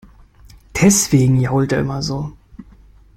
Deswegen jault er immer so.